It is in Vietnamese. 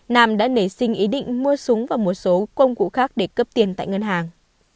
nam đã nảy sinh ý định mua súng và một số công cụ khác để cướp tiền tại ngân hàng